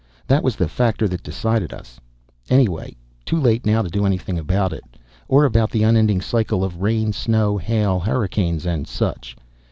That was the factor that decided us. Anyway too late now to do anything about it. Or about the unending cycle of rain, snow, hail, hurricanes and such.